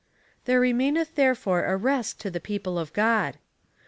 " There remaineth therefore a rest to the people of God."